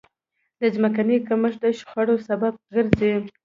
د ځمکې کمښت د شخړو سبب ګرځي.